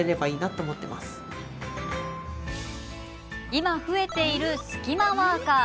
今、増えているスキマワーカー。